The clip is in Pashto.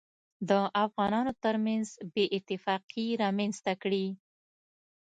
دافغانانوترمنځ بې اتفاقي رامنځته کړي